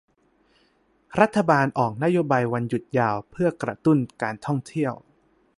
รัฐบาลออกนโยบายวันหยุดยาวเพื่อกระตุ้นการท่องเที่ยว